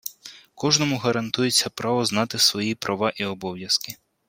Кожному гарантується право знати свої права і обов'язки